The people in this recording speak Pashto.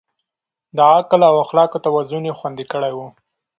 د عقل او اخلاقو توازن يې خوندي کړی و.